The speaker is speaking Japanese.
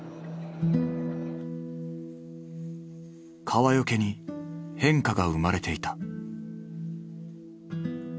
川除に変化が生まれていた。